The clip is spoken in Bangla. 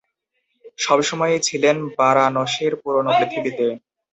সবসময়ই ছিলেন বারাণসীর পুরোনো পৃথিবীতে।